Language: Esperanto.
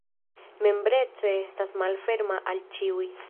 Membreco estas malferma al ĉiuj.